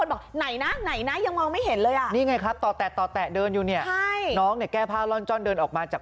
แล้วหยุดลองไปอุ้ม